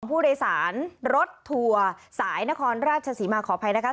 การผู้ได้สารรถถัวสายนครราชศรีมาขออภัยนะครับ